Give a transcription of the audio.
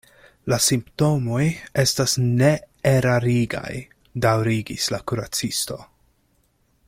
La simptomoj estas neerarigaj, daŭrigis la kuracisto.